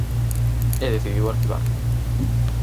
E decidiu arquivar.